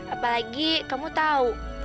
apalagi kamu tau